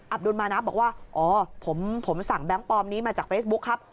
ดุลมานะบอกว่าอ๋อผมสั่งแบงค์ปลอมนี้มาจากเฟซบุ๊คครับ